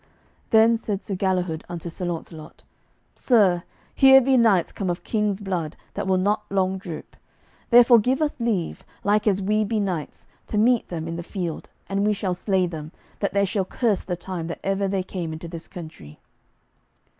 Then said Sir Galihud unto Sir Launcelot, "Sir, here be knights come of king's blood that will not long droop; therefore give us leave, like as we be knights, to meet them in the field, and we shall slay them, that they shall curse the time that ever they came into this country."